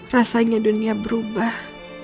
rasanya dunia berubah